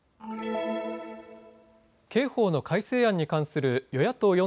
刑法の改正案に関する与野党４